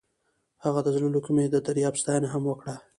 هغې د زړه له کومې د دریاب ستاینه هم وکړه.